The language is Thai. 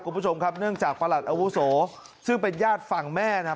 คุณผู้ชมครับเนื่องจากประหลัดอาวุโสซึ่งเป็นญาติฝั่งแม่นะ